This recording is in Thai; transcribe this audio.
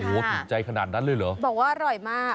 โอ้โหถูกใจขนาดนั้นเลยเหรอบอกว่าอร่อยมาก